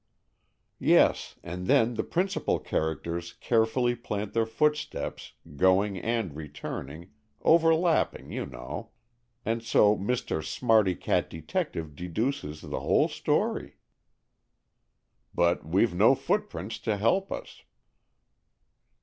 "Yes, and then the principal characters carefully plant their footprints, going and returning—over lapping, you know—and so Mr. Smarty Cat Detective deduces the whole story." "But we've no footprints to help us."